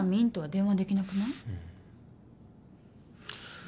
うん。